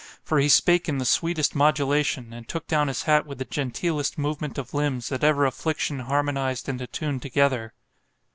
—For he spake in the sweetest modulation—and took down his hat with the genteelest movement of limbs, that ever affliction harmonized and attuned together.